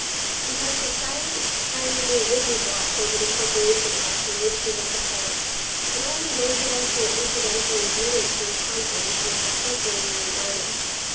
He kept a silent, kindly, rigid watch over the corporation life of which he was the head; and only those of us who were incidentally admitted to his confidence knew how carefully we were guarded.